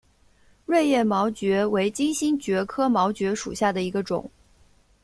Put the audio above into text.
锐片毛蕨为金星蕨科毛蕨属下的一个种。